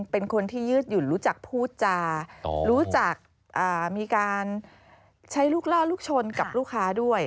เป็นคนที่ยืดหยุ่นรู้จักพูดจารู้จักมีการใช้ลูกล่าลูกชนกับลูกค้าด้วย